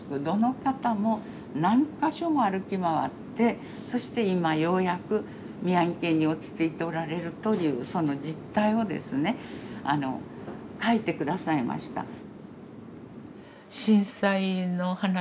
どの方も何か所も歩き回ってそして今ようやく宮城県に落ち着いておられるというその実態をですね書いて下さいました。